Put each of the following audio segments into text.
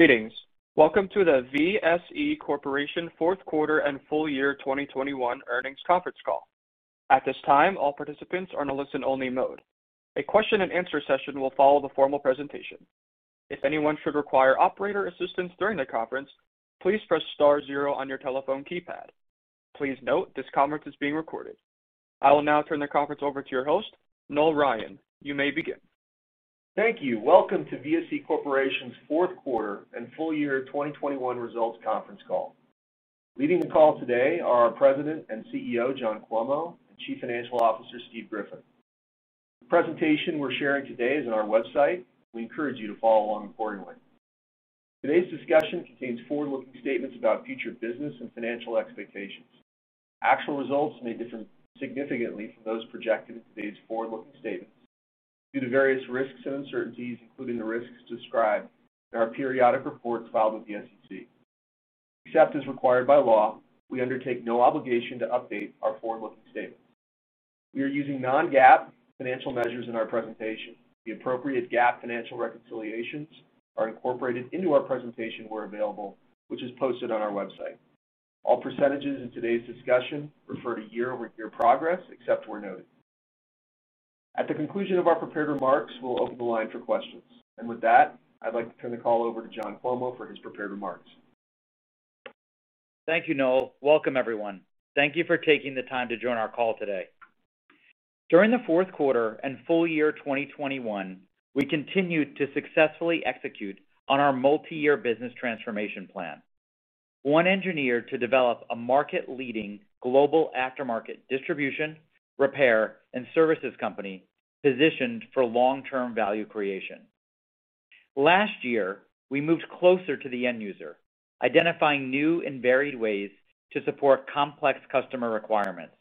Greetings. Welcome to the VSE Corporation Fourth Quarter and Full Year 2021 Earnings Conference Call. At this time, all participants are in a listen-only mode. A question-and-answer session will follow the formal presentation. If anyone should require operator assistance during the conference, please press star zero on your telephone keypad. Please note this conference is being recorded. I will now turn the conference over to your host, Noel Ryan. You may begin. Thank you. Welcome to VSE Corporation's fourth quarter and full year 2021 results conference call. Leading the call today are our President and CEO, John Cuomo, and Chief Financial Officer, Steve Griffin. The presentation we're sharing today is on our website. We encourage you to follow along accordingly. Today's discussion contains forward-looking statements about future business and financial expectations. Actual results may differ significantly from those projected in today's forward-looking statements due to various risks and uncertainties, including the risks described in our periodic reports filed with the SEC. Except as required by law, we undertake no obligation to update our forward-looking statement. We are using non-GAAP financial measures in our presentation. The appropriate GAAP financial reconciliations are incorporated into our presentation where available, which is posted on our website. All percentages in today's discussion refer to year-over-year progress, except where noted. At the conclusion of our prepared remarks, we'll open the line for questions. With that, I'd like to turn the call over to John Cuomo for his prepared remarks. Thank you, Noel. Welcome, everyone. Thank you for taking the time to join our call today. During the fourth quarter and full year 2021, we continued to successfully execute on our multi-year business transformation plan, one engineered to develop a market-leading global aftermarket distribution, repair, and services company positioned for long-term value creation. Last year, we moved closer to the end user, identifying new and varied ways to support complex customer requirements.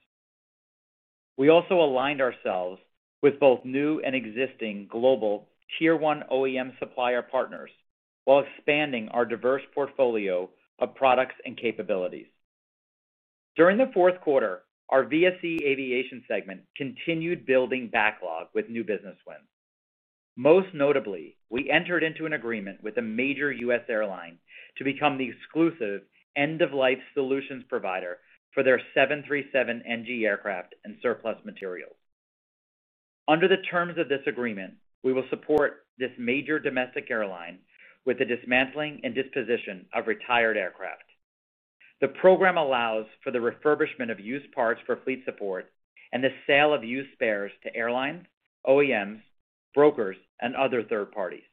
We also aligned ourselves with both new and existing global tier one OEM supplier partners while expanding our diverse portfolio of products and capabilities. During the fourth quarter, our VSE Aviation segment continued building backlog with new business wins. Most notably, we entered into an agreement with a major U.S. airline to become the exclusive end-of-life solutions provider for their 737 NG aircraft and surplus materials. Under the terms of this agreement, we will support this major domestic airline with the dismantling and disposition of retired aircraft. The program allows for the refurbishment of used parts for fleet support and the sale of used spares to airlines, OEMs, brokers, and other third parties.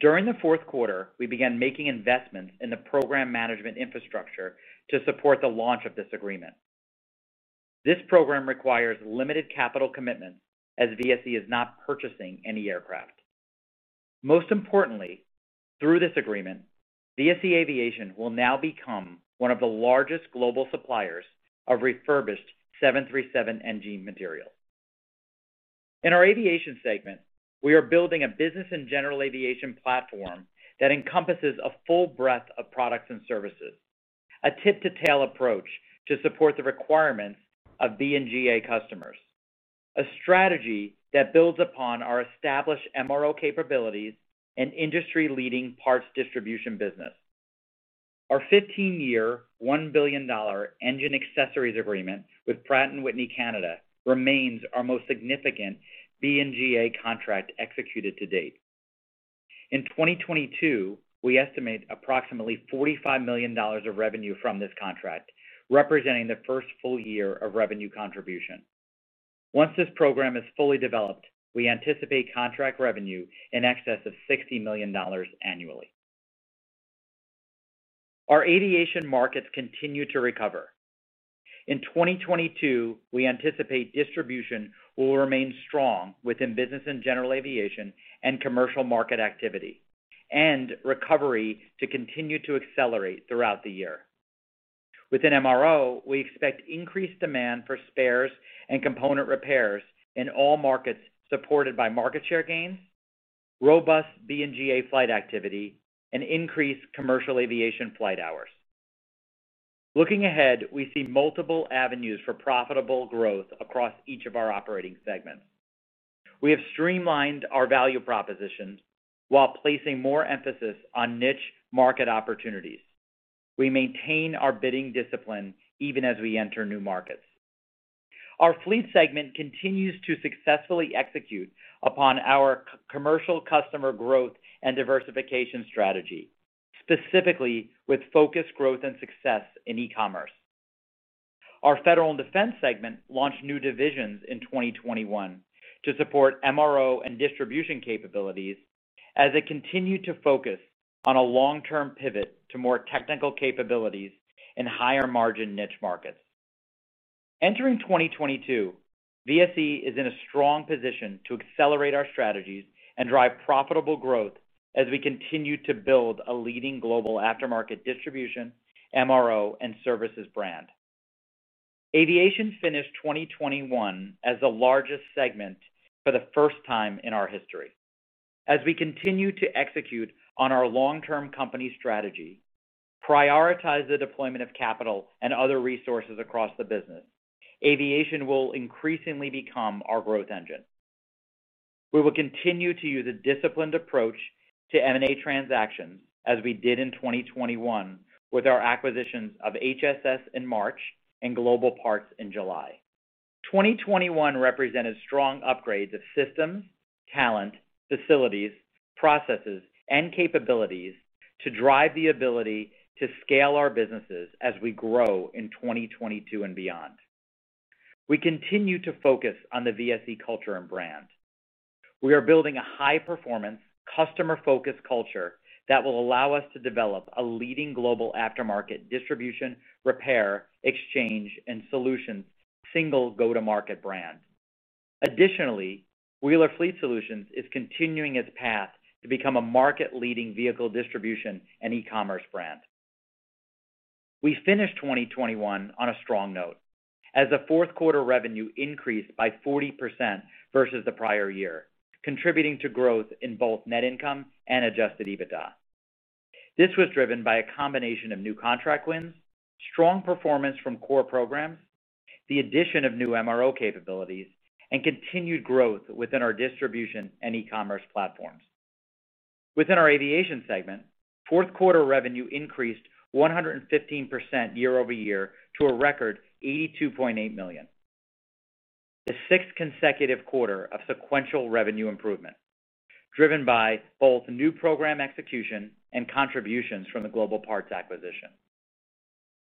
During the fourth quarter, we began making investments in the program management infrastructure to support the launch of this agreement. This program requires limited capital commitments as VSE is not purchasing any aircraft. Most importantly, through this agreement, VSE Aviation will now become one of the largest global suppliers of refurbished 737 NG material. In our aviation segment, we are building a business and general aviation platform that encompasses a full breadth of products and services, a tip-to-tail approach to support the requirements of B&GA customers, a strategy that builds upon our established MRO capabilities and industry-leading parts distribution business. Our 15-year, $1 billion engine accessories agreement with Pratt & Whitney Canada remains our most significant B&GA contract executed to date. In 2022, we estimate approximately $45 million of revenue from this contract, representing the first full year of revenue contribution. Once this program is fully developed, we anticipate contract revenue in excess of $60 million annually. Our aviation markets continue to recover. In 2022, we anticipate distribution will remain strong within business and general aviation and commercial market activity and recovery to continue to accelerate throughout the year. Within MRO, we expect increased demand for spares and component repairs in all markets supported by market share gains, robust B&GA flight activity, and increased commercial aviation flight hours. Looking ahead, we see multiple avenues for profitable growth across each of our operating segments. We have streamlined our value propositions while placing more emphasis on niche market opportunities. We maintain our bidding discipline even as we enter new markets. Our fleet segment continues to successfully execute upon our commercial customer growth and diversification strategy, specifically with focused growth and success in e-commerce. Our federal and defense segment launched new divisions in 2021 to support MRO and distribution capabilities as it continued to focus on a long-term pivot to more technical capabilities and higher margin niche markets. Entering 2022, VSE is in a strong position to accelerate our strategies and drive profitable growth as we continue to build a leading global aftermarket distribution, MRO, and services brand. Aviation finished 2021 as the largest segment for the first time in our history. As we continue to execute on our long-term company strategy, we prioritize the deployment of capital and other resources across the business, aviation will increasingly become our growth engine. We will continue to use a disciplined approach to M&A transactions as we did in 2021 with our acquisitions of HSS in March and Global Parts in July. 2021 represented strong upgrades of systems, talent, facilities, processes, and capabilities to drive the ability to scale our businesses as we grow in 2022 and beyond. We continue to focus on the VSE culture and brand. We are building a high-performance, customer-focused culture that will allow us to develop a leading global aftermarket distribution, repair, exchange, and solutions single go-to-market brand. Additionally, Wheeler Fleet Solutions is continuing its path to become a market-leading vehicle distribution and e-commerce brand. We finished 2021 on a strong note as the fourth quarter revenue increased by 40% versus the prior year, contributing to growth in both net income and adjusted EBITDA. This was driven by a combination of new contract wins, strong performance from core programs, the addition of new MRO capabilities, and continued growth within our distribution and e-commerce platforms. Within our aviation segment, fourth quarter revenue increased 115% year-over-year to a record $82.8 million. The sixth consecutive quarter of sequential revenue improvement, driven by both new program execution and contributions from the Global Parts acquisition.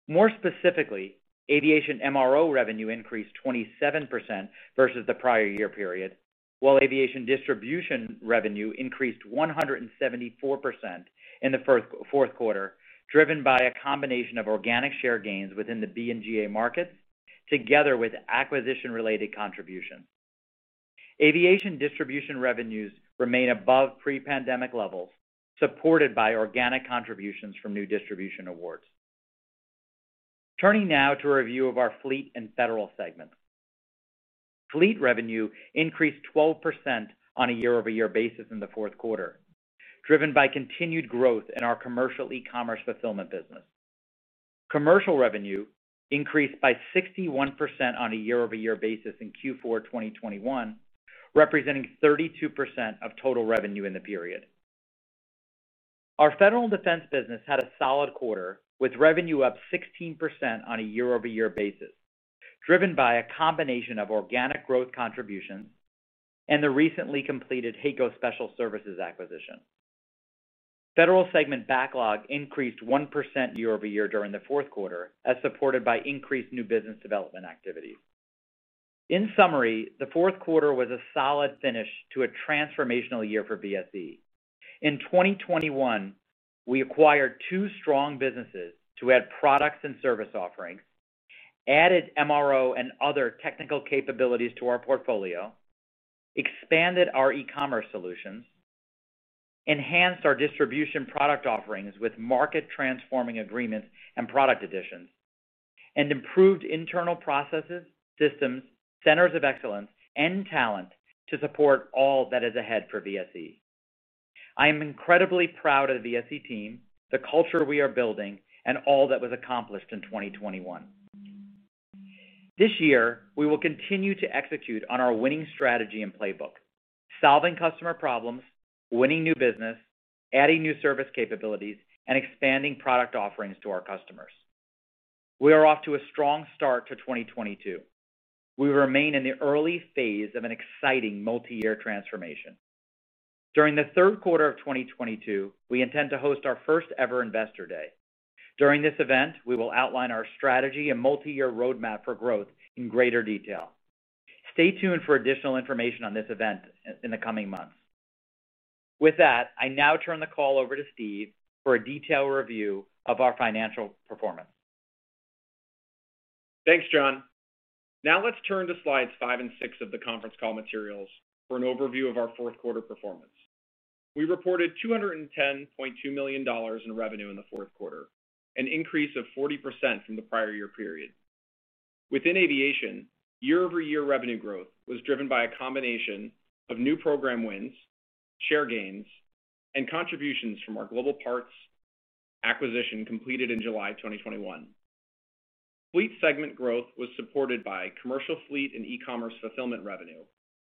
More specifically, aviation MRO revenue increased 27% versus the prior year period, while aviation distribution revenue increased 174% fourth quarter, driven by a combination of organic share gains within the B&GA markets together with acquisition-related contributions. Aviation distribution revenues remain above pre-pandemic levels, supported by organic contributions from new distribution awards. Turning now to a review of our Fleet and Federal segments. Fleet revenue increased 12% on a year-over-year basis in the fourth quarter, driven by continued growth in our commercial e-commerce fulfillment business. Commercial revenue increased by 61% on a year-over-year basis in Q4 2021, representing 32% of total revenue in the period. Our federal and defense business had a solid quarter, with revenue up 16% on a year-over-year basis, driven by a combination of organic growth contributions and the recently completed HAECO Special Services acquisition. Federal segment backlog increased 1% year-over-year during the fourth quarter as supported by increased new business development activities. In summary, the fourth quarter was a solid finish to a transformational year for VSE. In 2021, we acquired two strong businesses to add products and service offerings, added MRO and other technical capabilities to our portfolio, expanded our e-commerce solutions, enhanced our distribution product offerings with market transforming agreements and product additions, and improved internal processes, systems, centers of excellence and talent to support all that is ahead for VSE. I am incredibly proud of the VSE team, the culture we are building, and all that was accomplished in 2021. This year, we will continue to execute on our winning strategy and playbook, solving customer problems, winning new business, adding new service capabilities, and expanding product offerings to our customers. We are off to a strong start to 2022. We remain in the early phase of an exciting multi-year transformation. During the third quarter of 2022, we intend to host our first-ever investor day. During this event, we will outline our strategy and multi-year roadmap for growth in greater detail. Stay tuned for additional information on this event in the coming months. With that, I now turn the call over to Steve for a detailed review of our financial performance. Thanks, John. Now let's turn to slides five and six of the conference call materials for an overview of our fourth quarter performance. We reported $210.2 million in revenue in the fourth quarter, an increase of 40% from the prior year period. Within aviation, year-over-year revenue growth was driven by a combination of new program wins, share gains, and contributions from our Global Parts acquisition completed in July 2021. Fleet segment growth was supported by commercial fleet and e-commerce fulfillment revenue,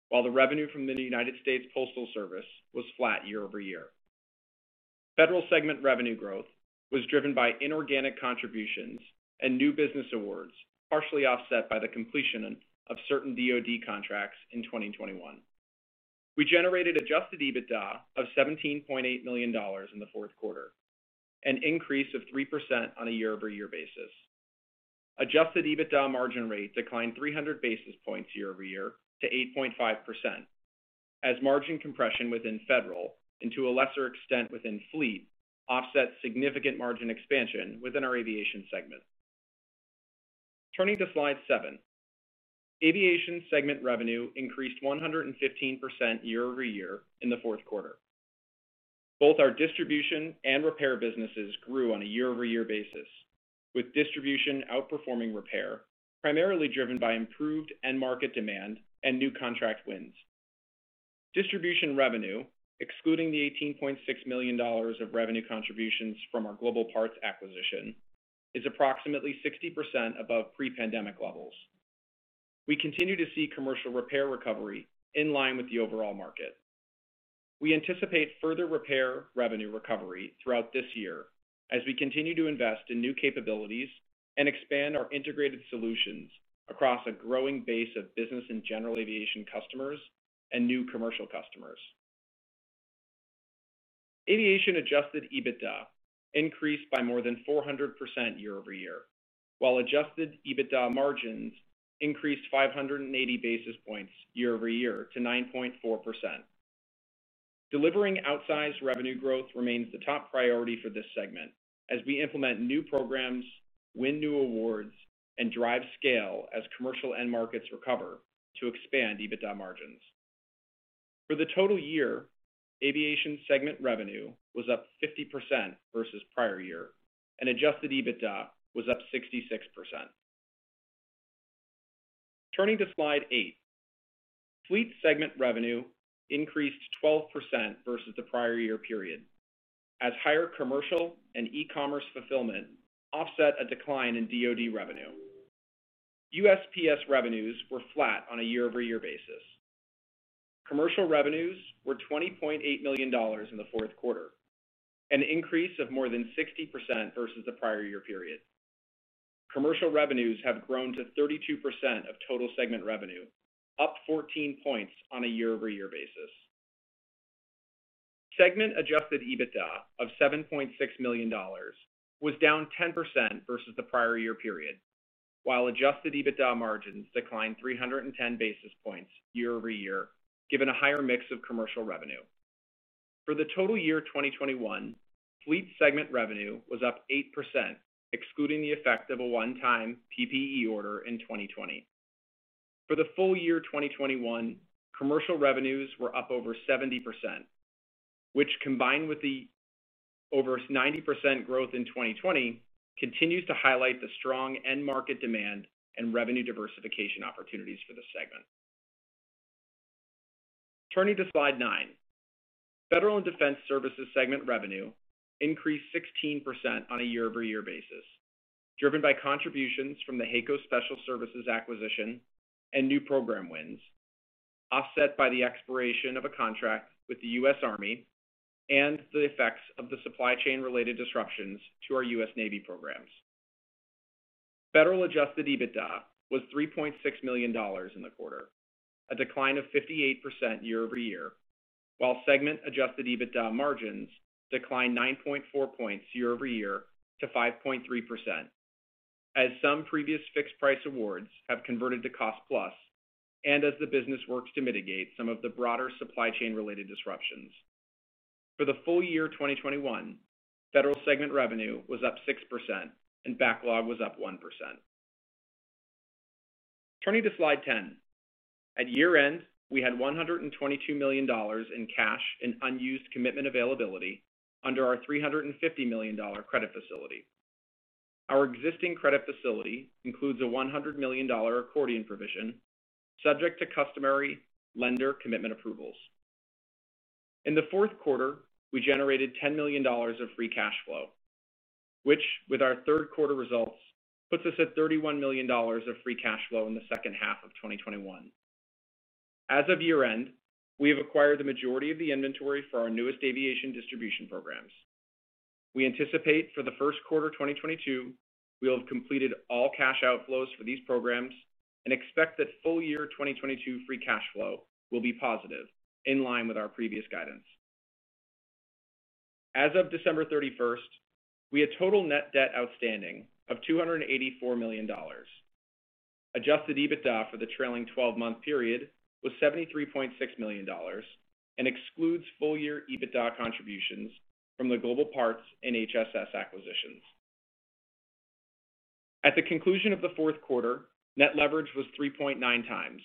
while the revenue from the United States Postal Service was flat year over year. Federal segment revenue growth was driven by inorganic contributions and new business awards, partially offset by the completion of certain DoD contracts in 2021. We generated adjusted EBITDA of $17.8 million in the fourth quarter, an increase of 3% on a year-over-year basis. Adjusted EBITDA margin rate declined 300 basis points year-over-year to 8.5% as margin compression within federal, and to a lesser extent within fleet, offset significant margin expansion within our aviation segment. Turning to slide seven, aviation segment revenue increased 115% year-over-year in the fourth quarter. Both our distribution and repair businesses grew on a year-over-year basis, with distribution outperforming repair, primarily driven by improved end market demand and new contract wins. Distribution revenue, excluding the $18.6 million of revenue contributions from our Global Parts acquisition, is approximately 60% above pre-pandemic levels. We continue to see commercial repair recovery in line with the overall market. We anticipate further repair revenue recovery throughout this year as we continue to invest in new capabilities and expand our integrated solutions across a growing base of business and general aviation customers and new commercial customers. Aviation adjusted EBITDA increased by more than 400% year-over-year, while adjusted EBITDA margins increased 580 basis points year-over-year to 9.4%. Delivering outsized revenue growth remains the top priority for this segment as we implement new programs, win new awards, and drive scale as commercial end markets recover to expand EBITDA margins. For the total year, aviation segment revenue was up 50% versus prior year, and adjusted EBITDA was up 66%. Turning to slide eight. Fleet segment revenue increased 12% versus the prior year period, as higher commercial and e-commerce fulfillment offset a decline in DoD revenue. USPS revenues were flat on a year-over-year basis. Commercial revenues were $20.8 million in the fourth quarter, an increase of more than 60% versus the prior year period. Commercial revenues have grown to 32% of total segment revenue, up 14 points on a year-over-year basis. Segment adjusted EBITDA of $7.6 million was down 10% versus the prior year period, while adjusted EBITDA margins declined 310 basis points year over year given a higher mix of commercial revenue. For the total year 2021, fleet segment revenue was up 8%, excluding the effect of a one-time PPE order in 2020. For the full year 2021, commercial revenues were up over 70%, which combined with the over 90% growth in 2020, continues to highlight the strong end market demand and revenue diversification opportunities for the segment. Turning to slide nine. Federal and Defense Services segment revenue increased 16% on a year-over-year basis, driven by contributions from the HAECO Special Services acquisition and new program wins, offset by the expiration of a contract with the U.S. Army and the effects of the supply chain-related disruptions to our U.S. Navy programs. Federal adjusted EBITDA was $3.6 million in the quarter, a decline of 58% year-over-year, while segment adjusted EBITDA margins declined 9.4 points year-over-year to 5.3%. Some previous fixed-price awards have converted to cost-plus, and the business works to mitigate some of the broader supply chain-related disruptions. For the full year 2021, federal segment revenue was up 6% and backlog was up 1%. Turning to slide 10. At year-end, we had $122 million in cash and unused commitment availability under our $350 million credit facility. Our existing credit facility includes a $100 million accordion provision subject to customary lender commitment approvals. In the fourth quarter, we generated $10 million of free cash flow, which with our third quarter results, puts us at $31 million of free cash flow in the second half of 2021. As of year-end, we have acquired the majority of the inventory for our newest aviation distribution programs. We anticipate for the first quarter 2022, we will have completed all cash outflows for these programs and expect that full year 2022 free cash flow will be positive in line with our previous guidance. As of December 31, we had total net debt outstanding of $284 million. Adjusted EBITDA for the trailing twelve-month period was $73.6 million and excludes full year EBITDA contributions from the global parts and HSS acquisitions. At the conclusion of the fourth quarter, net leverage was 3.9 times.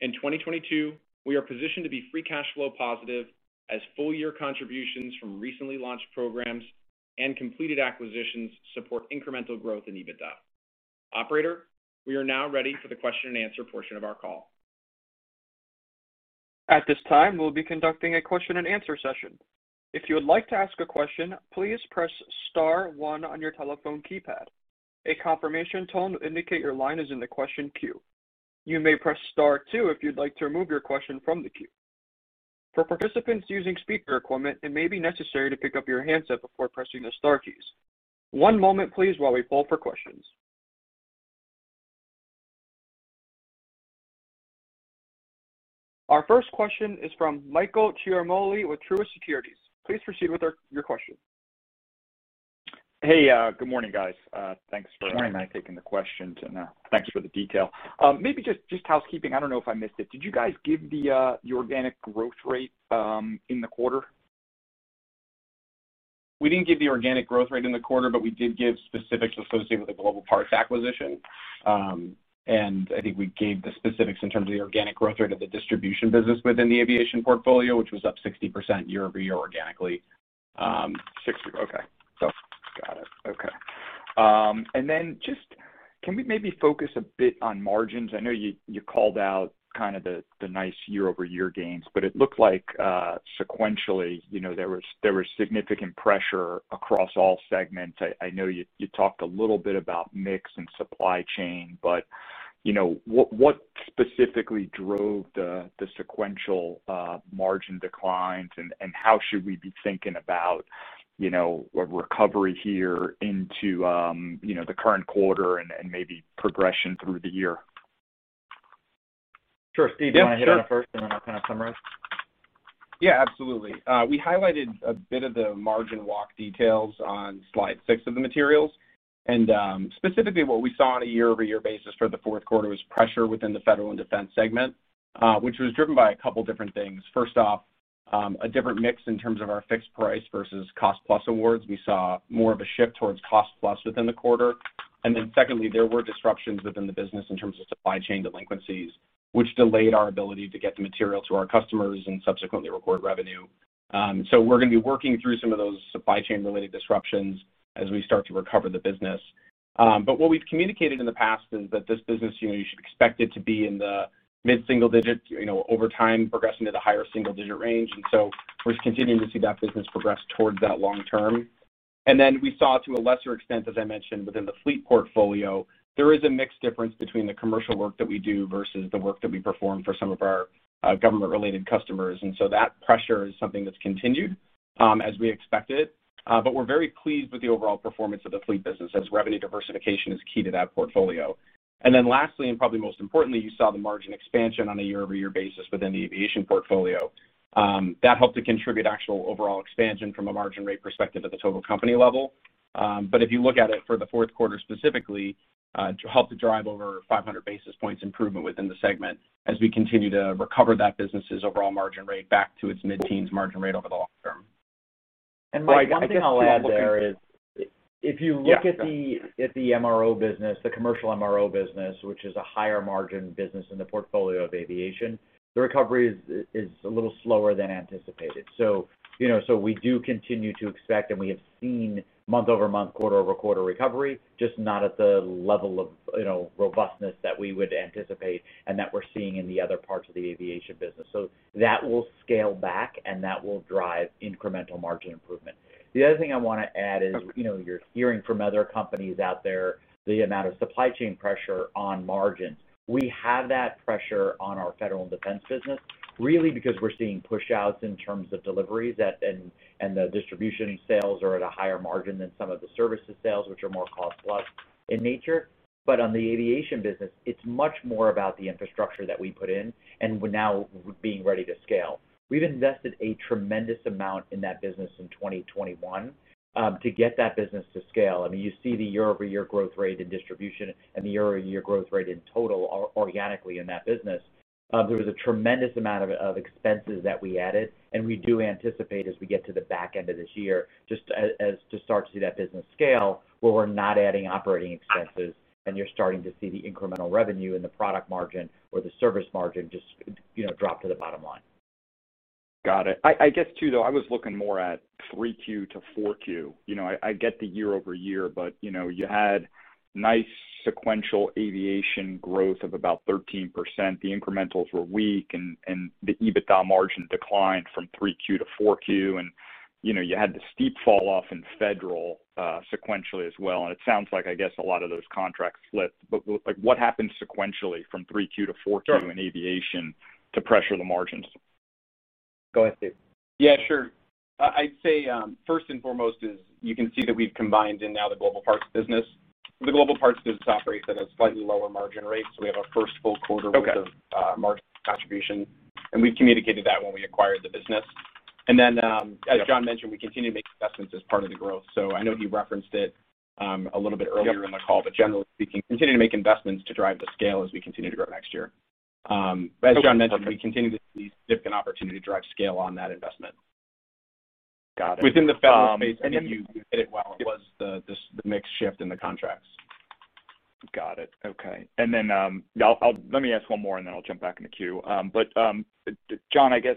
In 2022, we are positioned to be free cash flow positive as full-year contributions from recently launched programs and completed acquisitions support incremental growth in EBITDA. Operator, we are now ready for the question and answer portion of our call. At this time, we'll be conducting a question and answer session. If you would like to ask a question, please press star one on your telephone keypad. A confirmation tone will indicate your line is in the question queue. You may press star two if you'd like to remove your question from the queue. For participants using speaker equipment, it may be necessary to pick up your handset before pressing the star keys. One moment, please, while we poll for questions. Our first question is from Michael Ciarmoli with Truist Securities. Please proceed with your question. Hey, good morning, guys. Thanks for taking the questions, and thanks for the detail. Good morning, Mike. Maybe just housekeeping. I don't know if I missed it. Did you guys give the organic growth rate in the quarter? We didn't give the organic growth rate in the quarter, but we did give specifics associated with the Global Parts acquisition. I think we gave the specifics in terms of the organic growth rate of the distribution business within the aviation portfolio, which was up 60% year-over-year organically. Okay. Got it. Okay. Can we maybe focus a bit on margins? I know you called out kind of the nice year-over-year gains, but it looked like sequentially, you know, there was significant pressure across all segments. I know you talked a little bit about mix and supply chain, but you know, what specifically drove the sequential margin declines? And how should we be thinking about, you know, a recovery here into the current quarter and maybe progression through the year? Sure. Steve, do you wanna hit it first? Yeah, sure. I'll kind of summarize? Yeah, absolutely. We highlighted a bit of the margin walk details on slide six of the materials. Specifically what we saw on a year-over-year basis for the fourth quarter was pressure within the Federal and Defense segment, which was driven by a couple different things. First off, a different mix in terms of our fixed price versus cost plus awards. We saw more of a shift towards cost plus within the quarter. Secondly, there were disruptions within the business in terms of supply chain delinquencies, which delayed our ability to get the material to our customers and subsequently record revenue. We're gonna be working through some of those supply chain-related disruptions as we start to recover the business. What we've communicated in the past is that this business unit, you should expect it to be in the mid-single digits, you know, over time, progressing to the higher single digit range. We're continuing to see that business progress towards that long term. We saw, to a lesser extent, as I mentioned, within the fleet portfolio, there is a mix difference between the commercial work that we do versus the work that we perform for some of our government-related customers. That pressure is something that's continued, as we expected. We're very pleased with the overall performance of the fleet business as revenue diversification is key to that portfolio. Lastly, and probably most importantly, you saw the margin expansion on a year-over-year basis within the aviation portfolio. That helped to contribute actual overall expansion from a margin rate perspective at the total company level. If you look at it for the fourth quarter specifically, to help drive over 500 basis points improvement within the segment as we continue to recover that business's overall margin rate back to its mid-teens margin rate over the long term. Mike, one thing I'll add there is if you look at the MRO business, the commercial MRO business, which is a higher margin business in the portfolio of aviation, the recovery is a little slower than anticipated. You know, so we do continue to expect, and we have seen month-over-month, quarter-over-quarter recovery, just not at the level of, you know, robustness that we would anticipate and that we're seeing in the other parts of the aviation business. That will scale back, and that will drive incremental margin improvement. The other thing I wanna add is, you know, you're hearing from other companies out there the amount of supply chain pressure on margins. We have that pressure on our federal and defense business, really because we're seeing push outs in terms of deliveries at The distribution sales are at a higher margin than some of the services sales, which are more cost plus in nature. On the aviation business, it's much more about the infrastructure that we put in and we're now being ready to scale. We've invested a tremendous amount in that business in 2021 to get that business to scale. I mean, you see the year-over-year growth rate in distribution and the year-over-year growth rate in total organically in that business. There was a tremendous amount of expenses that we added, and we do anticipate as we get to the back end of this year, just as to start to see that business scale, where we're not adding operating expenses and you're starting to see the incremental revenue in the product margin or the service margin just, you know, drop to the bottom line. Got it. I guess too, though, I was looking more at 3Q to 4Q. You know, I get the year-over-year, but you know, you had nice sequential aviation growth of about 13%. The incrementals were weak and the EBITDA margin declined from 3Q to 4Q. You know, you had the steep falloff in federal sequentially as well. It sounds like, I guess, a lot of those contracts slipped. Like, what happened sequentially from 3Q to 4Q in aviation to pressure the margins? Go ahead, Steve. Yeah, sure. I'd say first and foremost you can see that we've combined in now the global parts business. The global parts business operates at a slightly lower margin rate, so we have our first full quarter of margin contribution, and we've communicated that when we acquired the business. As John mentioned, we continue to make investments as part of the growth. I know he referenced it a little bit earlier in the call, but generally speaking, continue to make investments to drive the scale as we continue to grow next year. As John mentioned, we continue to see significant opportunity to drive scale on that investment. Got it. Within the federal space, I think you hit it well. It was the mix shift in the contracts. Got it. Okay. Let me ask one more, then I'll jump back in the queue. John, I guess,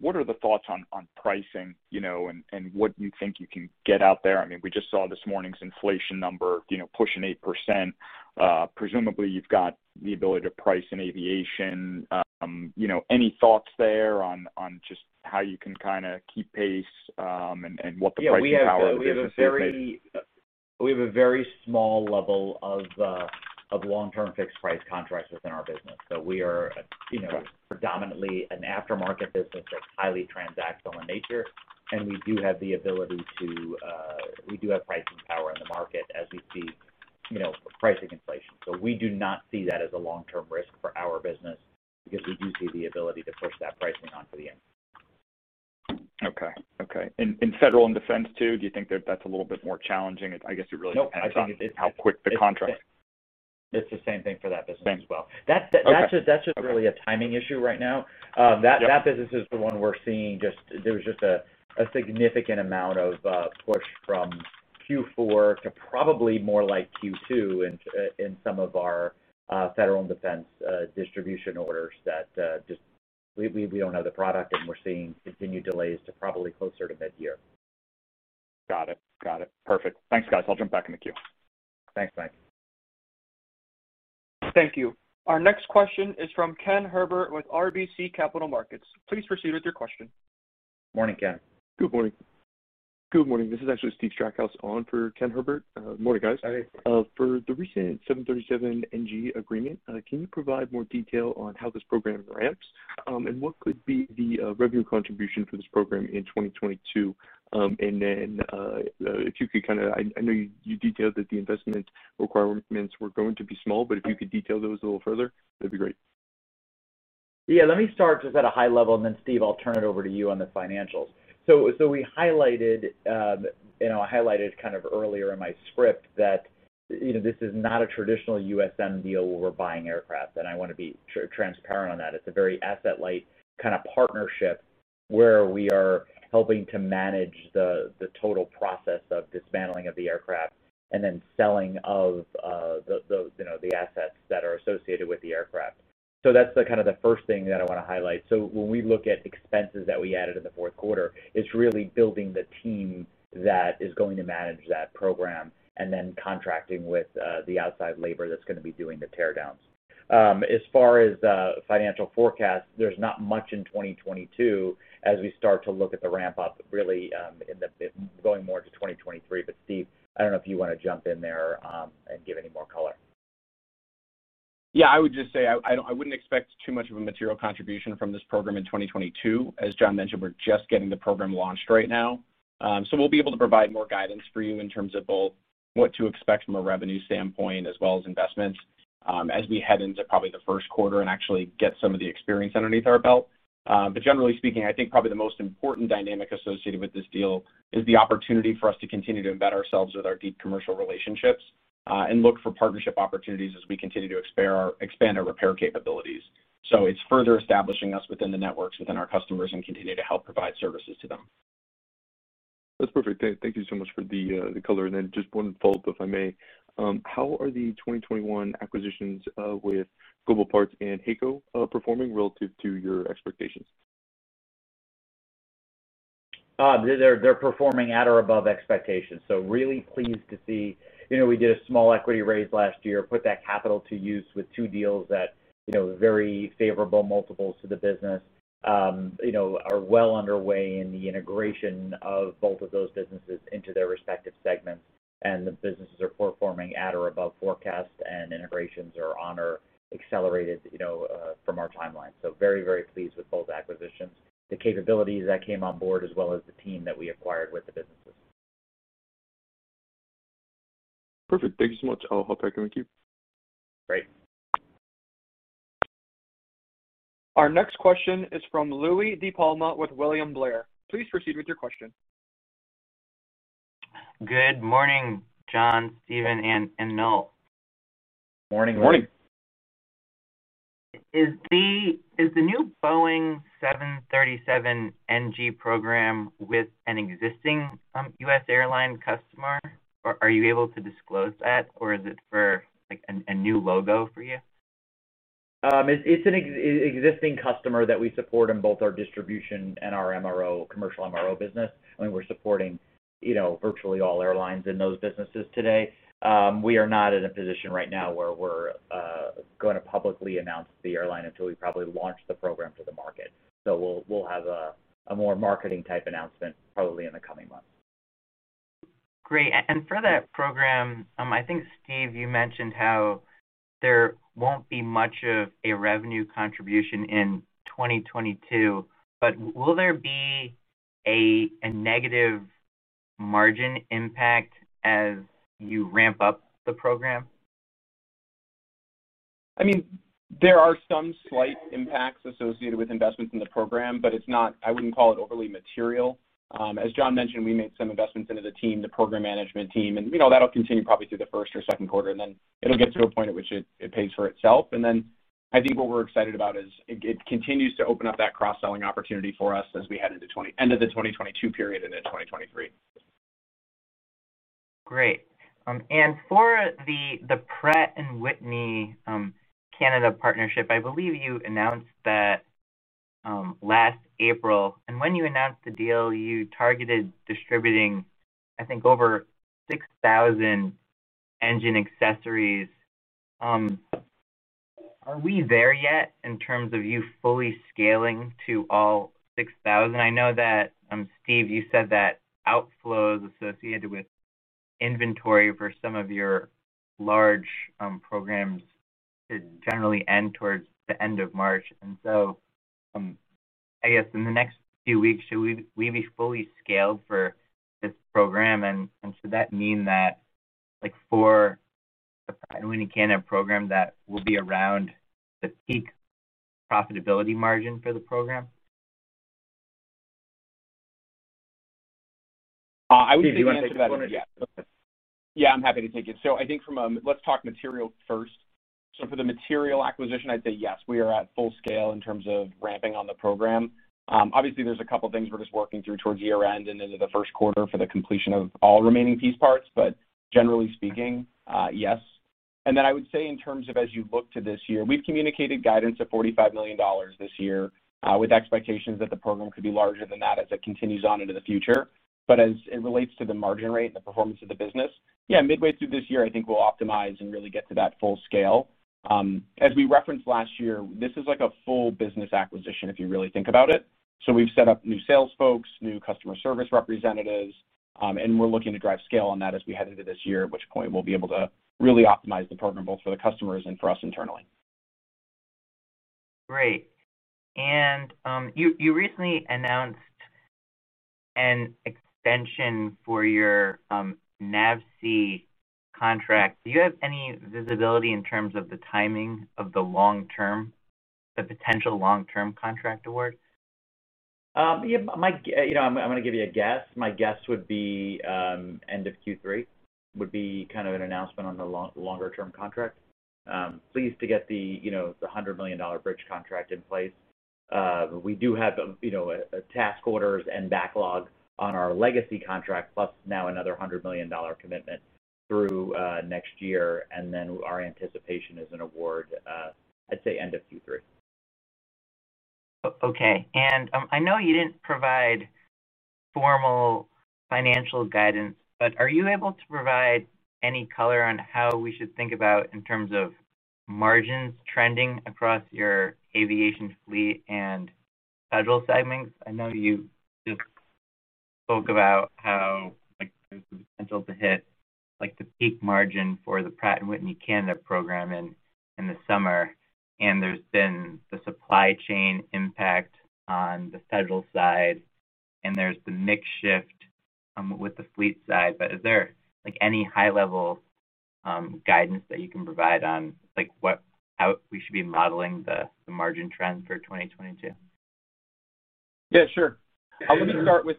what are the thoughts on pricing, you know, and what you think you can get out there? I mean, we just saw this morning's inflation number, you know, pushing 8%. Presumably, you've got the ability to price in aviation. You know, any thoughts there on just how you can kinda keep pace, and what the pricing power of the business is? Yeah. We have a very small level of long-term fixed price contracts within our business. We are, you know, predominantly an aftermarket business that's highly transactional in nature, and we do have the ability to have pricing power in the market as we see, you know, pricing inflation. We do not see that as a long-term risk for our business because we do see the ability to push that pricing onto the end. Okay. In federal and defense too, do you think that that's a little bit more challenging? I guess it really depends on how quick the contract. It's the same thing for that business as well. Okay. That's just really a timing issue right now. That business is the one we're seeing. There was just a significant amount of push from Q4 to probably more like Q2 in some of our federal and defense distribution orders that we just don't have the product and we're seeing continued delays to probably closer to mid-year. Got it. Perfect. Thanks, guys. I'll jump back in the queue. Thanks, Mike. Thank you. Our next question is from Ken Herbert with RBC Capital Markets. Please proceed with your question. Morning, Ken. Good morning. This is actually Stephen Strackhouse on for Ken Herbert. Morning, guys. Hi. For the recent 737 NG agreement, can you provide more detail on how this program ramps? What could be the revenue contribution for this program in 2022? If you could, I know you detailed that the investment requirements were going to be small, but if you could detail those a little further, that'd be great. Yeah. Let me start just at a high level, and then Steve, I'll turn it over to you on the financials. We highlighted, you know, I highlighted kind of earlier in my script that, you know, this is not a traditional USM deal where we're buying aircraft, and I wanna be transparent on that. It's a very asset light kind of partnership where we are helping to manage the total process of dismantling of the aircraft and then selling of those, you know, the assets that are associated with the aircraft. That's kind of the first thing that I wanna highlight. When we look at expenses that we added in the fourth quarter, it's really building the team that is going to manage that program, and then contracting with the outside labor that's gonna be doing the tear downs. As far as financial forecast, there's not much in 2022 as we start to look at the ramp up really going more to 2023. Steve, I don't know if you wanna jump in there and give any more color. Yeah. I would just say I wouldn't expect too much of a material contribution from this program in 2022. As John mentioned, we're just getting the program launched right now. We'll be able to provide more guidance for you in terms of both what to expect from a revenue standpoint as well as investments, as we head into probably the first quarter and actually get some of the experience underneath our belt. But generally speaking, I think probably the most important dynamic associated with this deal is the opportunity for us to continue to embed ourselves with our deep commercial relationships, and look for partnership opportunities as we continue to expand our repair capabilities. It's further establishing us within the networks, within our customers, and continue to help provide services to them. That's perfect. Thank you so much for the color. Just one follow-up, if I may. How are the 2021 acquisitions with Global Parts and HAECO performing relative to your expectations? They're performing at or above expectations. Really pleased to see. You know, we did a small equity raise last year, put that capital to use with two deals that, you know, very favorable multiples to the business, are well underway in the integration of both of those businesses into their respective segments. The businesses are performing at or above forecast, and integrations are on our accelerated, you know, from our timeline. Very, very pleased with both acquisitions, the capabilities that came on board, as well as the team that we acquired with the businesses. Perfect. Thank you so much. I'll hop back in the queue. Great. Our next question is from Louie DiPalma with William Blair. Please proceed with your question. Good morning, John, Stephen, and Noel. Morning, Louie. Morning. Is the new Boeing 737 NG program with an existing U.S. airline customer? Or are you able to disclose that, or is it for, like, a new logo for you? It's an existing customer that we support in both our distribution and our MRO, commercial MRO business, and we're supporting, you know, virtually all airlines in those businesses today. We are not in a position right now where we're gonna publicly announce the airline until we probably launch the program to the market. We'll have a more marketing type announcement probably in the coming months. Great. For that program, I think, Steve, you mentioned how there won't be much of a revenue contribution in 2022, but will there be a negative margin impact as you ramp up the program? I mean, there are some slight impacts associated with investments in the program, but it's not. I wouldn't call it overly material. As John mentioned, we made some investments into the team, the program management team, and, you know, that'll continue probably through the first or second quarter, and then it'll get to a point at which it pays for itself. Then I think what we're excited about is it continues to open up that cross-selling opportunity for us as we head into end of the 2022 period into 2023. Great. For the Pratt & Whitney Canada partnership, I believe you announced that last April. When you announced the deal, you targeted distributing, I think, over 6,000 engine accessories. Are we there yet in terms of you fully scaling to all 6,000? I know that, Steve, you said that outflows associated with inventory for some of your large programs generally end towards the end of March. I guess in the next few weeks, should we be fully scaled for this program and should that mean that like for the Pratt & Whitney Canada program, that will be around the peak profitability margin for the program? I would say. Steve, do you wanna take that? Yeah. Yeah, I'm happy to take it. I think from a. Let's talk material first. For the material acquisition, I'd say yes, we are at full scale in terms of ramping on the program. Obviously, there's a couple things we're just working through towards year-end and into the first quarter for the completion of all remaining piece parts, but generally speaking, yes. I would say in terms of as you look to this year, we've communicated guidance of $45 million this year, with expectations that the program could be larger than that as it continues on into the future. As it relates to the margin rate and the performance of the business, yeah, midway through this year, I think we'll optimize and really get to that full scale. As we referenced last year, this is like a full business acquisition if you really think about it. We've set up new sales folks, new customer service representatives, and we're looking to drive scale on that as we head into this year, at which point we'll be able to really optimize the program both for the customers and for us internally. Great. You recently announced an extension for your NAVSEA contract. Do you have any visibility in terms of the timing of the potential long-term contract award? Yeah, you know, I'm gonna give you a guess. My guess would be end of Q3 would be kind of an announcement on the longer term contract. Pleased to get the, you know, the $100 million bridge contract in place. But we do have, you know, a task orders and backlog on our legacy contract, plus now another $100 million commitment through next year. Our anticipation is an award, I'd say end of Q3. Okay. I know you didn't provide formal financial guidance, but are you able to provide any color on how we should think about in terms of margins trending across your aviation fleet and federal segments? I know you just spoke about how, like, there's potential to hit, like, the peak margin for the Pratt & Whitney Canada program in the summer, and there's been the supply chain impact on the federal side, and there's the mix shift with the fleet side. But is there, like, any high level guidance that you can provide on, like, how we should be modeling the margin trend for 2022? Yeah, sure. Let me start with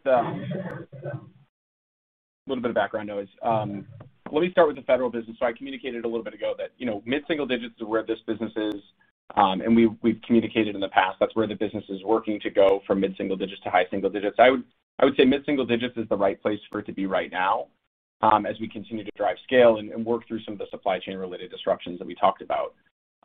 the federal business. I communicated a little bit ago that, you know, mid-single digits is where this business is. We've communicated in the past that's where the business is working to go from mid-single digits to high single digits. I would say mid-single digits is the right place for it to be right now, as we continue to drive scale and work through some of the supply chain-related disruptions that we talked about.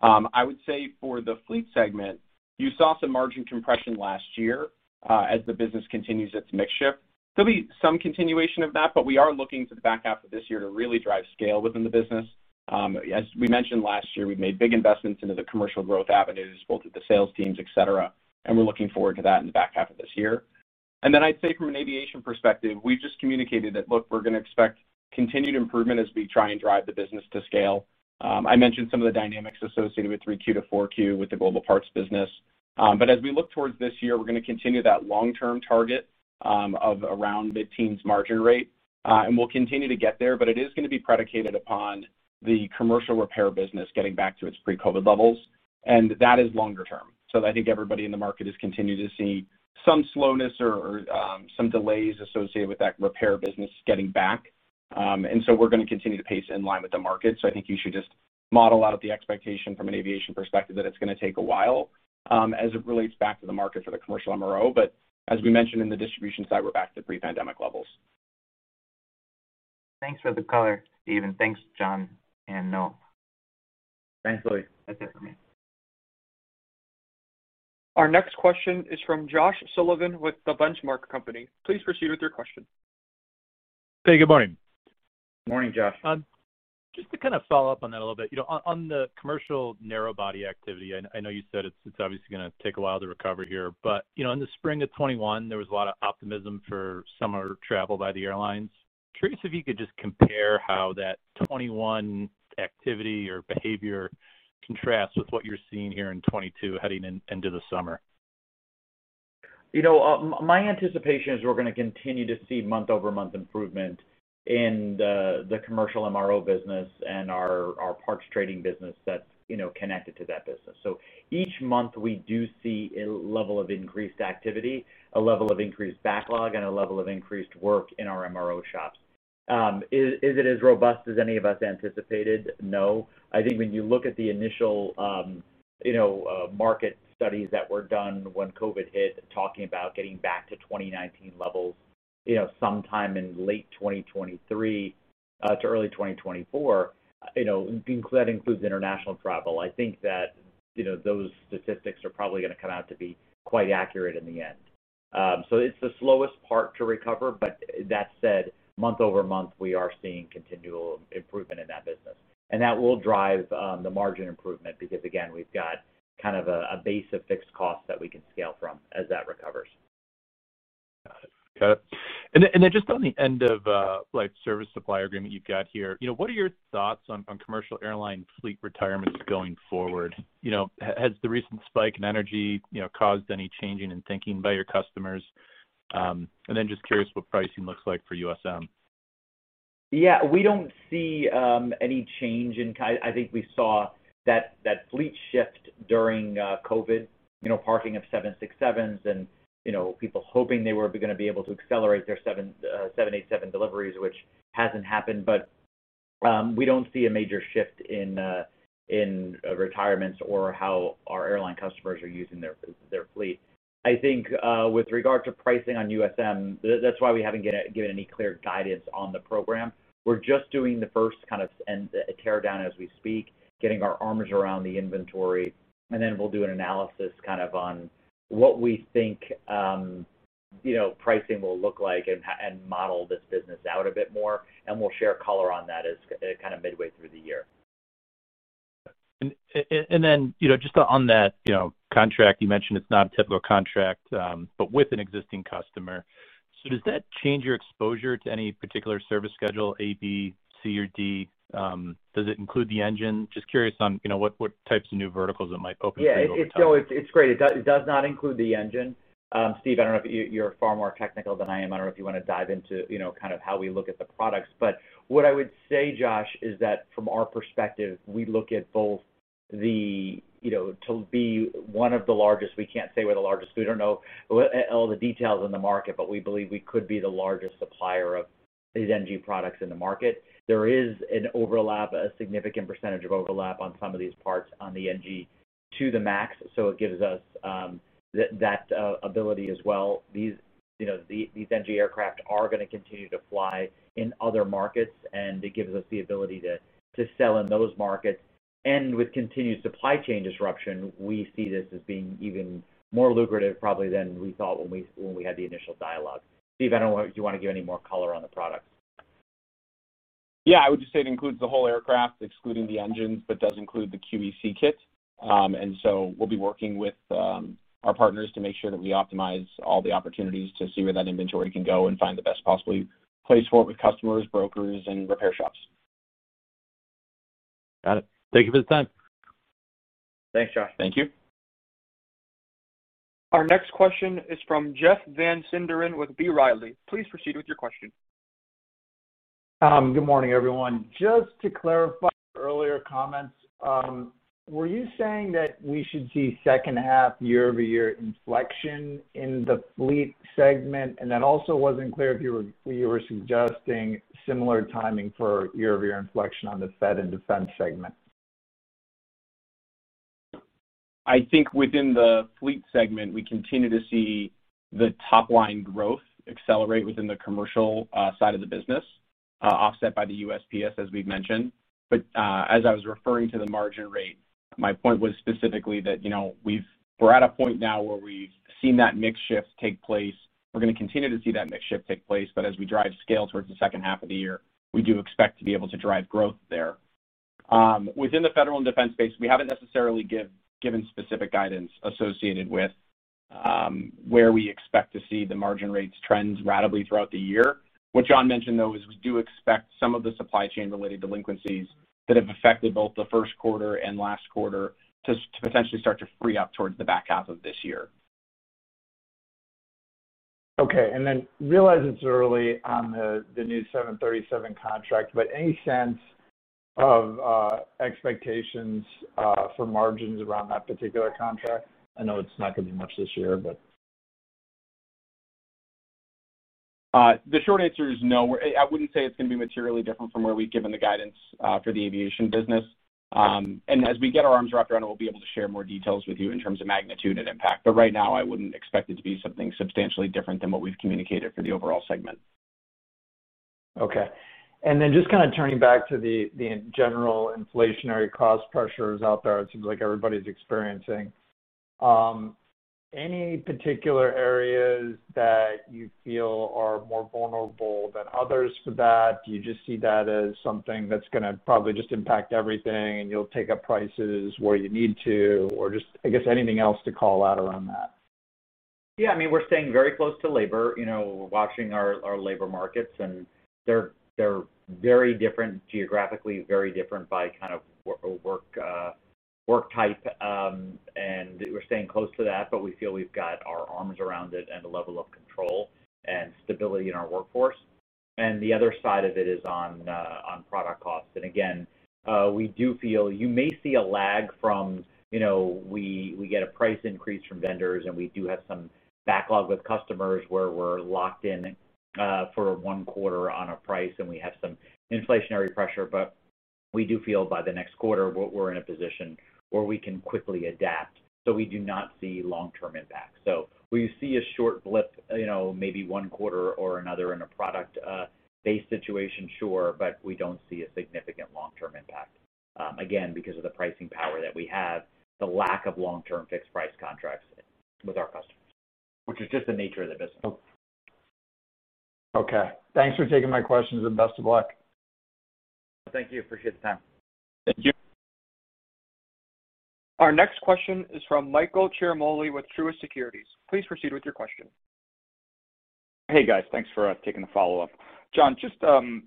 I would say for the fleet segment, you saw some margin compression last year, as the business continues its mix shift. There'll be some continuation of that, but we are looking to the back half of this year to really drive scale within the business. As we mentioned last year, we've made big investments into the commercial growth avenues, both with the sales teams, et cetera, and we're looking forward to that in the back half of this year. I'd say from an aviation perspective, we've just communicated that, look, we're gonna expect continued improvement as we try and drive the business to scale. I mentioned some of the dynamics associated with 3Q to 4Q with the Global Parts business. As we look towards this year, we're gonna continue that long-term target of around mid-teens margin rate. We'll continue to get there, but it is gonna be predicated upon the commercial repair business getting back to its pre-COVID levels, and that is longer term. I think everybody in the market has continued to see some slowness or some delays associated with that repair business getting back. We're gonna continue to pace in line with the market. I think you should just model out of the expectation from an aviation perspective that it's gonna take a while, as it relates back to the market for the commercial MRO. As we mentioned in the distribution side, we're back to pre-pandemic levels. Thanks for the color, Stephen. Thanks, John and Noel. Thanks, Louie. That's it for me. Our next question is from Josh Sullivan with The Benchmark Company. Please proceed with your question. Hey, good morning. Morning, Josh. Just to kind of follow up on that a little bit. You know, on the commercial narrow body activity, I know you said it's obviously gonna take a while to recover here. You know, in the spring of 2021, there was a lot of optimism for summer travel by the airlines. Curious if you could just compare how that 2021 activity or behavior contrasts with what you're seeing here in 2022 heading into the summer? You know, my anticipation is we're gonna continue to see month-over-month improvement in the commercial MRO business and our parts trading business that's, you know, connected to that business. Each month, we do see a level of increased activity, a level of increased backlog, and a level of increased work in our MRO shops. Is it as robust as any of us anticipated? No. I think when you look at the initial, you know, market studies that were done when COVID hit, talking about getting back to 2019 levels, you know, sometime in late 2023 to early 2024, you know, that includes international travel. I think that, you know, those statistics are probably gonna come out to be quite accurate in the end. It's the slowest part to recover. That said, month over month, we are seeing continual improvement in that business. That will drive the margin improvement because, again, we've got kind of a base of fixed costs that we can scale from as that recovers. Got it. Just on the end of like service supply agreement you've got here, you know, what are your thoughts on commercial airline fleet retirements going forward? You know, has the recent spike in energy, you know, caused any change in thinking by your customers? Just curious what pricing looks like for USM. Yeah. We don't see any change. I think we saw that fleet shift during COVID, you know, parking of 767s and, you know, people hoping they were gonna be able to accelerate their 787 deliveries, which hasn't happened. We don't see a major shift in- In retirements or how our airline customers are using their fleet. I think, with regard to pricing on USM, that's why we haven't given any clear guidance on the program. We're just doing the first kind of a tear down as we speak, getting our arms around the inventory, and then we'll do an analysis kind of on what we think, you know, pricing will look like and model this business out a bit more, and we'll share color on that kind of midway through the year. You know, just on that, you know, contract you mentioned, it's not a typical contract, but with an existing customer. Does that change your exposure to any particular service schedule, A, B, C, or D? Does it include the engine? Just curious on, you know, what types of new verticals it might open for you over time. Yeah. It's, you know, great. It does not include the engine. Steve, you're far more technical than I am. I don't know if you want to dive into, you know, kind of how we look at the products. What I would say, Josh, is that from our perspective, we look at both the, you know, to be one of the largest, we can't say we're the largest, we don't know all the details in the market, but we believe we could be the largest supplier of these NG products in the market. There is an overlap, a significant percentage of overlap on some of these parts on the NG to the MAX, so it gives us that ability as well. These, you know, these NG aircraft are gonna continue to fly in other markets, and it gives us the ability to sell in those markets. With continued supply chain disruption, we see this as being even more lucrative probably than we thought when we had the initial dialogue. Steve, I don't know if you wanna give any more color on the product. Yeah. I would just say it includes the whole aircraft, excluding the engines, but does include the QEC kit. We'll be working with our partners to make sure that we optimize all the opportunities to see where that inventory can go and find the best possible place for it with customers, brokers, and repair shops. Got it. Thank you for the time. Thanks, Josh. Thank you. Our next question is from Jeff Van Sinderen with B. Riley. Please proceed with your question. Good morning, everyone. Just to clarify your earlier comments, were you saying that we should see second half year-over-year inflection in the fleet segment? That also wasn't clear if you were suggesting similar timing for year-over-year inflection on the Federal and Defense segment. I think within the fleet segment, we continue to see the top line growth accelerate within the commercial side of the business, offset by the USPS, as we've mentioned. As I was referring to the margin rate, my point was specifically that, you know, we're at a point now where we've seen that mix shift take place. We're gonna continue to see that mix shift take place. As we drive scale towards the second half of the year, we do expect to be able to drive growth there. Within the federal and defense base, we haven't necessarily given specific guidance associated with where we expect to see the margin rates trends ratably throughout the year. What John mentioned, though, is we do expect some of the supply chain-related delinquencies that have affected both the first quarter and last quarter to essentially start to free up towards the back half of this year. Okay. Realize it's early on the new 737 contract, but any sense of expectations for margins around that particular contract? I know it's not gonna be much this year. The short answer is no. I wouldn't say it's gonna be materially different from where we've given the guidance for the aviation business. As we get our arms wrapped around it, we'll be able to share more details with you in terms of magnitude and impact. Right now, I wouldn't expect it to be something substantially different than what we've communicated for the overall segment. Okay. Then just kinda turning back to the general inflationary cost pressures out there it seems like everybody's experiencing, any particular areas that you feel are more vulnerable than others for that? Do you just see that as something that's gonna probably just impact everything and you'll take up prices where you need to, or just, I guess anything else to call out around that? Yeah. I mean, we're staying very close to labor. You know, we're watching our labor markets, and they're very different geographically, very different by kind of work type. We're staying close to that, but we feel we've got our arms around it and a level of control and stability in our workforce. The other side of it is on product costs. Again, we do feel you may see a lag from, you know, we get a price increase from vendors, and we do have some backlog with customers where we're locked in for one quarter on a price, and we have some inflationary pressure. We do feel by the next quarter, that we're in a position where we can quickly adapt, so we do not see long-term impact. Will you see a short blip, you know, maybe one quarter or another in a product based situation? Sure. We don't see a significant long-term impact, again, because of the pricing power that we have, the lack of long-term fixed price contracts with our customers, which is just the nature of the business. Okay. Thanks for taking my questions and best of luck. Thank you for your time. Thank you. Our next question is from Michael Ciarmoli with Truist Securities. Please proceed with your question. Hey, guys. Thanks for taking the follow-up. John, just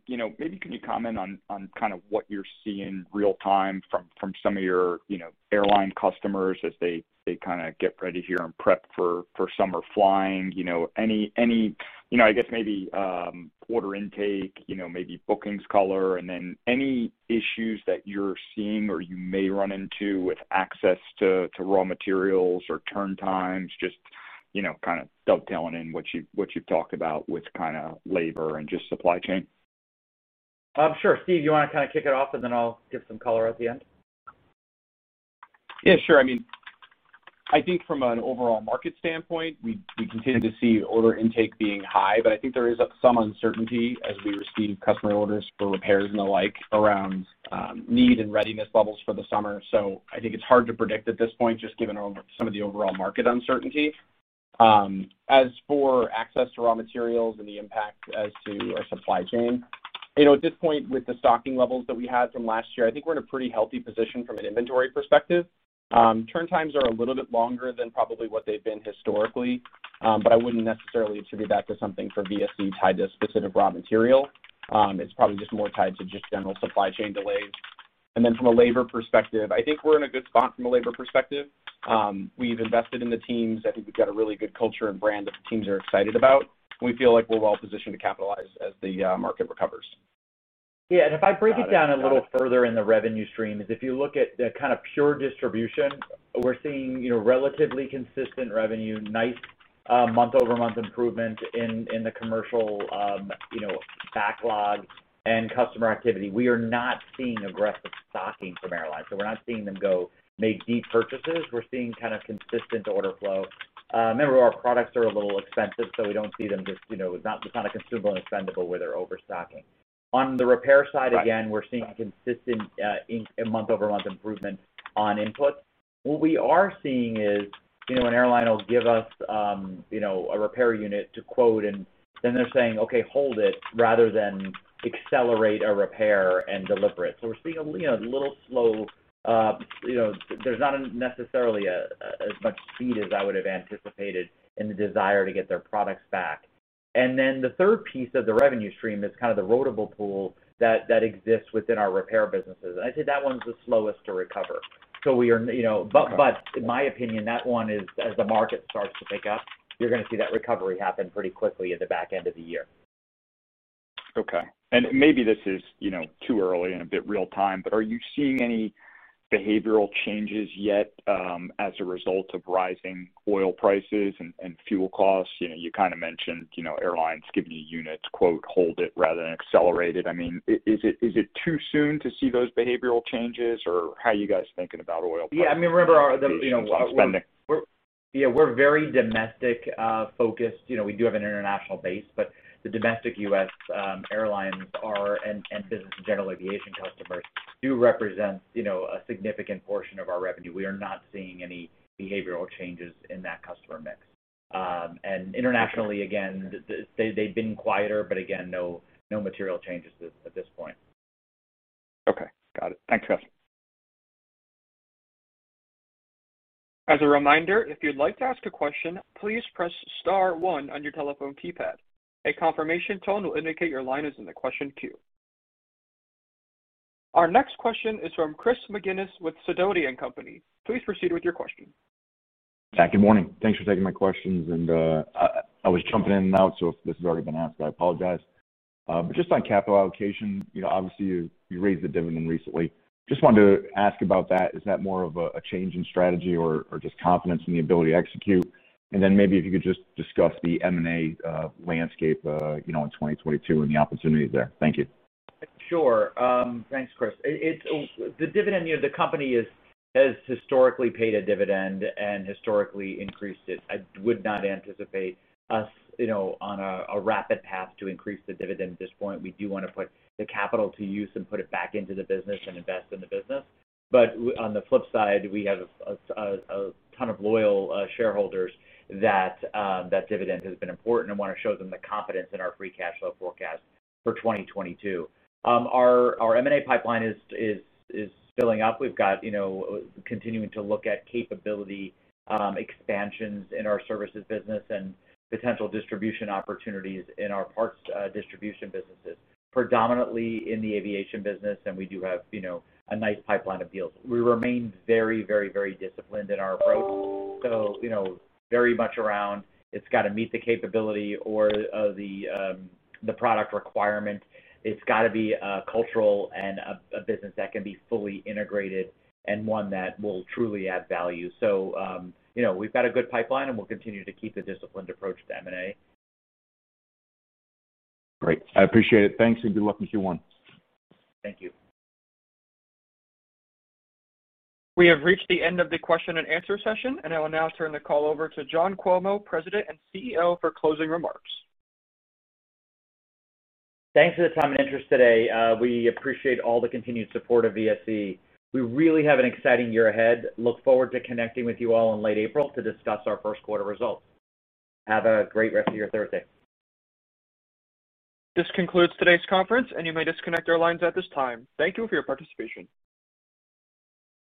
you know, maybe can you comment on kind of what you're seeing real-time from some of your you know, airline customers as they kinda get ready here and prep for summer flying. You know, any. You know, I guess maybe order intake, you know, maybe bookings color, and then any issues that you're seeing or you may run into with access to raw materials or turn times, just you know, kind of dovetailing in what you've talked about with kind of labor and just supply chain. Sure. Steve, you wanna kind of kick it off, and then I'll give some color at the end. Yeah, sure. I mean, I think from an overall market standpoint, we continue to see order intake being high, but I think there is some uncertainty as we receive customer orders for repairs and the like around need and readiness levels for the summer. I think it's hard to predict at this point, just given some of the overall market uncertainty. As for access to raw materials and the impact as to our supply chain, you know, at this point with the stocking levels that we had from last year, I think we're in a pretty healthy position from an inventory perspective. Turn times are a little bit longer than probably what they've been historically, but I wouldn't necessarily attribute that to something for VSE tied to a specific raw material. It's probably just more tied to just general supply chain delays. From a labor perspective, I think we're in a good spot from a labor perspective. We've invested in the teams. I think we've got a really good culture and brand that the teams are excited about. We feel like we're well positioned to capitalize as the market recovers. Yeah. If I break it down a little further in the revenue streams, if you look at the kind of pure distribution, we're seeing, you know, relatively consistent revenue, nice, month-over-month improvement in the commercial, you know, backlog and customer activity. We are not seeing aggressive stocking from airlines, so we're not seeing them go make deep purchases. We're seeing kind of consistent order flow. Remember our products are a little expensive, so we don't see them just, you know, it's not a consumable and expendable where they're overstocking. On the repair side, again, we're seeing consistent, month-over-month improvement on input. What we are seeing is, you know, an airline will give us, you know, a repair unit to quote, and then they're saying, "Okay, hold it," rather than accelerate a repair and deliver it. We're seeing you know, a little slow, you know, there's not necessarily as much speed as I would have anticipated in the desire to get their products back. Then the third piece of the revenue stream is kind of the rotable pool that exists within our repair businesses. I'd say that one's the slowest to recover. We are, you know. But in my opinion, that one is, as the market starts to pick up, you're gonna see that recovery happen pretty quickly at the back end of the year. Okay. Maybe this is, you know, too early and a bit real-time, but are you seeing any behavioral changes yet, as a result of rising oil prices and fuel costs? You know, you kinda mentioned, you know, airlines giving you units, quote, "hold it" rather than accelerate it. I mean, is it too soon to see those behavioral changes, or how are you guys thinking about oil prices? Yeah, I mean, remember the, you know. Implications on spending? We're very domestic focused. You know, we do have an international base, but the domestic U.S. airlines and business and general aviation customers do represent, you know, a significant portion of our revenue. We are not seeing any behavioral changes in that customer mix. Internationally, again, they've been quieter, but again, no material changes at this point. Okay. Got it. Thanks, guys. As a reminder, if you'd like to ask a question, please press star one on your telephone keypad. A confirmation tone will indicate your line is in the question queue. Our next question is from Chris McGinnis with Sidoti & Company. Please proceed with your question. Yeah, good morning. Thanks for taking my questions. I was jumping in and out, so if this has already been asked, I apologize. But just on capital allocation, you know, obviously, you raised the dividend recently. Just wanted to ask about that. Is that more of a change in strategy or just confidence in the ability to execute? Then maybe if you could just discuss the M&A landscape, you know, in 2022 and the opportunities there. Thank you. Sure. Thanks, Chris. The dividend, you know, the company has historically paid a dividend and historically increased it. I would not anticipate us, you know, on a rapid path to increase the dividend at this point. We do wanna put the capital to use and put it back into the business and invest in the business. But on the flip side, we have a ton of loyal shareholders that that dividend has been important and wanna show them the confidence in our free cash flow forecast for 2022. Our M&A pipeline is filling up. We've got, you know, continuing to look at capability expansions in our services business and potential distribution opportunities in our parts distribution businesses, predominantly in the aviation business, and we do have, you know, a nice pipeline of deals. We remain very disciplined in our approach. You know, very much around it's gotta meet the capability or the product requirement. It's gotta be cultural and a business that can be fully integrated and one that will truly add value. You know, we've got a good pipeline, and we'll continue to keep a disciplined approach to M&A. Great. I appreciate it. Thanks, and good luck in Q1. Thank you. We have reached the end of the question and answer session, and I will now turn the call over to John Cuomo, President and CEO, for closing remarks. Thanks for the time and interest today. We appreciate all the continued support of VSE. We really have an exciting year ahead. Look forward to connecting with you all in late April to discuss our first quarter results. Have a great rest of your Thursday. This concludes today's conference, and you may disconnect your lines at this time. Thank you for your participation.